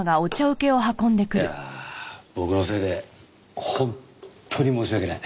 いやあ僕のせいで本当に申し訳ない。